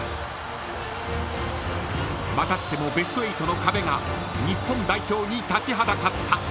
［またしてもベスト８の壁が日本代表に立ちはだかった］